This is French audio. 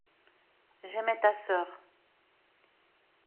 J’aimais ta sœur.